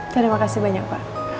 terima kasih banyak pak